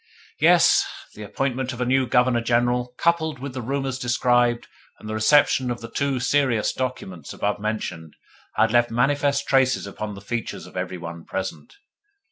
Yes, the appointment of a new Governor General, coupled with the rumours described and the reception of the two serious documents above mentioned, had left manifest traces upon the features of every one present.